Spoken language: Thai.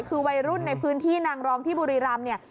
คือวัยรุ่นในพื้นที่นางรองที่บุรีรำเนี่ย